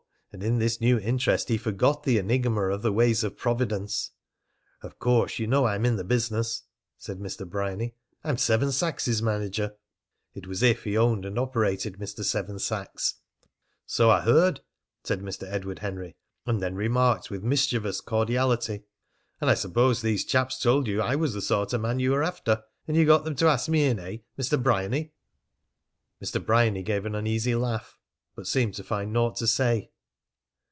And in this new interest he forgot the enigma of the ways of Providence. "Of course, you know, I'm in the business," said Mr. Bryany. "I'm Seven Sachs's manager." It was as if he owned and operated Mr. Seven Sachs. "So I heard," said Edward Henry, and then remarked with mischievous cordiality: "And I suppose these chaps told you I was the sort of man you were after. And you got them to ask me in, eh, Mr. Bryany?" Mr. Bryany gave an uneasy laugh, but seemed to find naught to say.